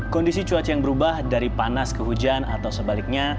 kondisi cuaca yang berubah dari panas ke hujan atau sebaliknya